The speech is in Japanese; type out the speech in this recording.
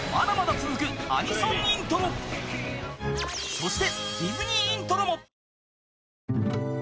［そして］